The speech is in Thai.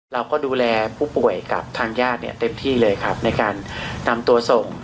เราก็ดูแลผู้ป่วยกับทางญาติเนี่ยเต็มที่เลยครับในการนำตัวส่ง